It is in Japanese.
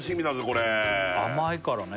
これ甘いからね